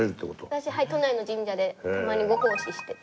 私都内の神社でたまにご奉仕してて。